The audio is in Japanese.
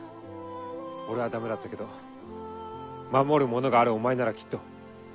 俺は駄目だったけど守るものがあるお前ならきっと。